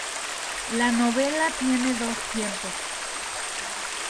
La novela tiene dos tiempos.